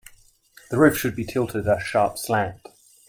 The roof should be tilted at a sharp slant.